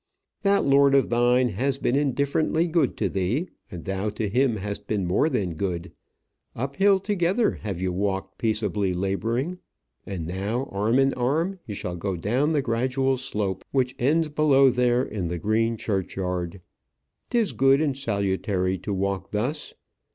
That lord of thine has been indifferently good to thee, and thou to him has been more than good. Up hill together have ye walked peaceably labouring; and now arm in arm ye shall go down the gradual slope which ends below there in the green churchyard. 'Tis good and salutary to walk thus.